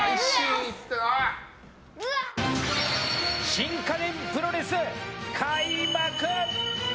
新家電プロレス、開幕！